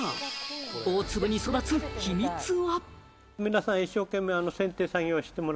大粒に育つ秘密は？